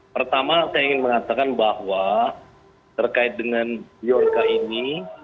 pertama saya ingin mengatakan bahwa terkait dengan biorka ini